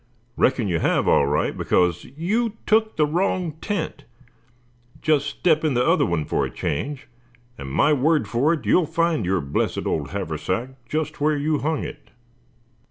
Reckon you have, all right, because you took the wrong tent! Just step in the other one for a change, and my word for it you'll find your blessed old haversack just where you hung it!"